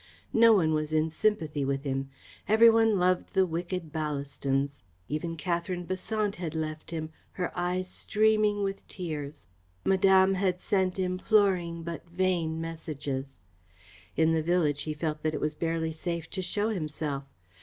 No one was in sympathy with him. Every one loved the wicked Ballastons. Even Katherine Besant had left him, her eyes streaming with tears. Madame had sent imploring but vain messages. In the village he felt that it was barely safe to show himself.